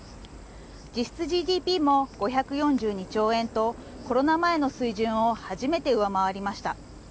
実質ＧＤＰも５４２兆円とコロナ前の水準を初めて上回りました。